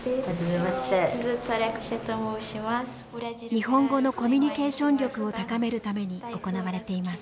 日本語のコミュニケーション力を高めるために行われています。